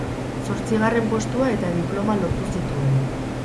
Zortzigarren postua eta diploma lortu zituen.